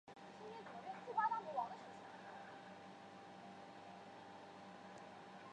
广岛县选举区代表广岛县的所有选民。